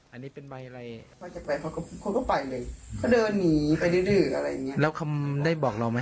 อันนี้เป็นใบอะไร